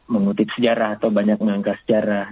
mengutip sejarah atau banyak mengangkat sejarah